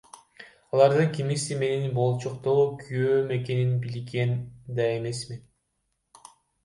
Алардын кимиси менин болочокогу күйөөм экенин билген да эмесмин.